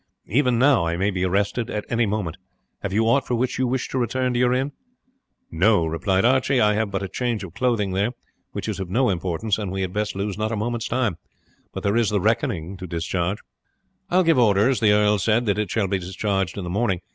Even now I may be arrested at any moment. Have you aught for which you wish to return to your inn?" "No," Archie replied. "I have but a change of clothing there, which is of no importance, and we had best lose not a moment's time. But there is the reckoning to discharge." "I will give orders," the earl said, "that it shall be discharged in the morning.